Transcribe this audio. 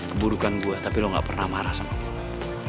keburukan gue tapi lo gak pernah marah sama gue